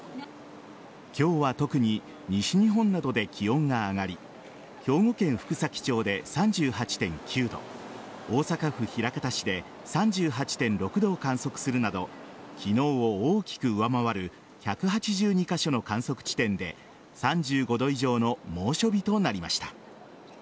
今日は特に西日本などで気温が上がり兵庫県福崎町で３８．９度大阪府枚方市で３８．６度を観測するなど昨日を大きく上回る１８２カ所の観測地点で３５度以上の猛暑日となりました。